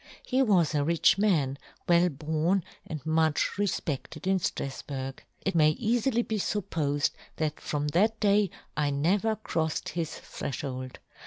He w^as a rich man, ' w^ell born, and much refpedled in ' Strafburg. It may eafily be fup * pofed that from that day I never * croffedhisthreftiold.